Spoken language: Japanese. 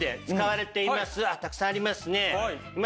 あったくさんありますね。